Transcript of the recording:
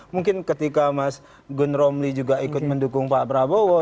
mungkin ketika mas gun romli juga ikut mendukung pak prabowo